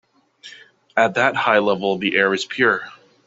At that high level the air is pure.